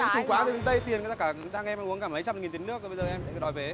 sao lại kệ em quá đây tiền ra cả đang em uống cả mấy trăm nghìn tiền nước thôi bây giờ em đòi về